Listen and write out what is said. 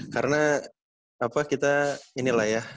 karena kita ini lah ya